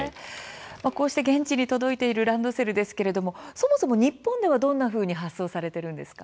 こうして現地に届いているランドセルですけれどもそもそも日本ではどんなふうに発送されてるんですか？